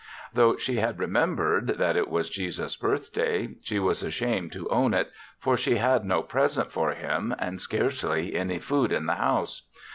Though she had remembered that it was Jesus' birthday, she was ashamed to own it, for she had no present for him and scarcely any food in the house.